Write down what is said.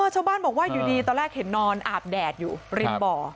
ชาวบ้านบอกว่าอยู่ดีตอนแรกเห็นนอนอาบแดดอยู่ริมบ่อ